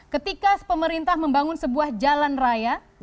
ketika pemerintah membangun sebuah jalan raya